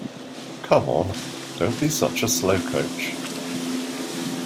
Come on! Don't be such a slowcoach!